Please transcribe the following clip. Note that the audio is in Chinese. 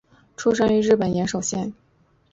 出身于日本岩手县。